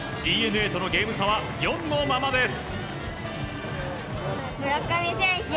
ＤｅＮＡとのゲーム差は４のままです。